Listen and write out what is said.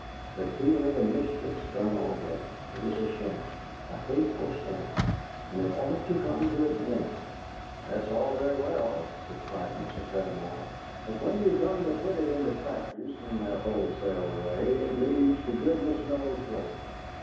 But here the mischief's done already. It is a sham, a hateful sham, and it ought to come to an end!" "That's all very well," replied Mr. Paramor, "but when you come to put it into practice in that wholesale way it leads to goodness knows what.